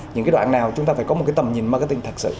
những cái đoạn nào chúng ta phải có một cái tầm nhìn marketing thật sự